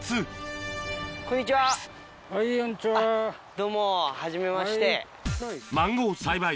どうもはじめまして。